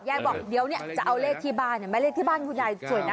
บอกเดี๋ยวเนี่ยจะเอาเลขที่บ้านเห็นไหมเลขที่บ้านคุณยายสวยนะ